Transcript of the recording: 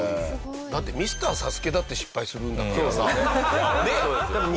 だってミスターＳＡＳＵＫＥだって失敗するんだからさ。